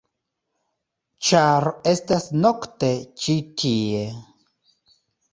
-ĉar estas nokte ĉi tie-.